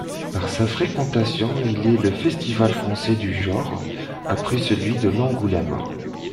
Par sa fréquentation, il est le festival français du genre, après celui d'Angoulême.